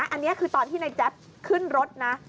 อันนี้คือตอนที่ในแจ๊บขึ้นรถนะ